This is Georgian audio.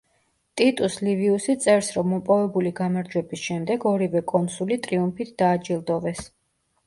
ტიტუს ლივიუსი წერს, რომ მოპოვებული გამარჯვების შემდეგ, ორივე კონსული ტრიუმფით დააჯილდოვეს.